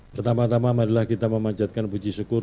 pertama tama adalah kita memanjatkan puji syukur